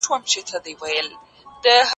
لومړی ډول شکر د انسولین حجرې له منځه وړي.